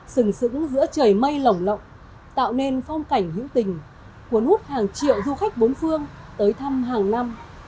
sừng sững giữa trời mây lỏng lộng tạo nên phong cảnh hữu tình cuốn hút hàng triệu du khách bốn phương tới thăm hàng năm